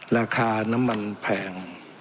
ราคาน้ำมันแพง